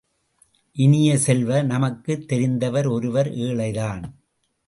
இனிய செல்வ, நமக்குத் தெரிந்தவர் ஒருவர் ஏழை தான்!